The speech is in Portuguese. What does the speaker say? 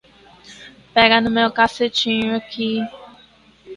Pega no meu cacetinho aqui